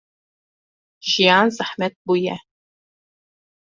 Jiyan zehmet bûye.